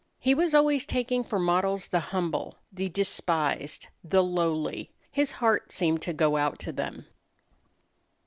He was always taking for models the humble, the despised, the lowly. His heart seemed to go out to them.